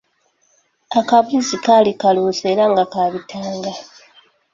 Akabuzi kaali kaluusi era nga kabitanga.